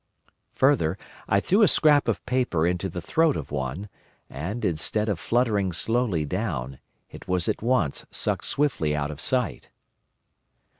Further, I threw a scrap of paper into the throat of one, and, instead of fluttering slowly down, it was at once sucked swiftly out of sight.